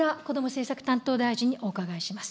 政策担当大臣にお伺いします。